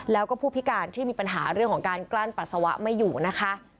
แล้วก็ผู้พิการที่มีปัญหาเรื่องของการกลั้นปัสสาวะไม่อยู่นะคะ